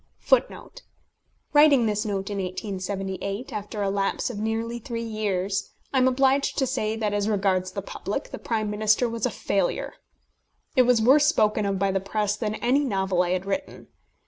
[Footnote 14: Writing this note in 1878, after a lapse of nearly three years, I am obliged to say that, as regards the public, The Prime Minister was a failure. It was worse spoken of by the press than any novel I had written.